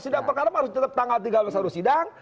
sidang perdana harus tetap tanggal tiga puluh satu sidang